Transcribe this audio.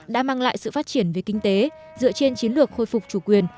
đã mang lại sự phát triển về kinh tế dựa trên chiến lược khôi phục chủ quyền